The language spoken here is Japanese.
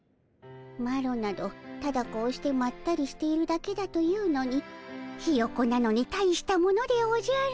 マロなどただこうしてまったりしているだけだというのにヒヨコなのに大したものでおじゃる。